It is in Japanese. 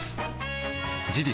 事実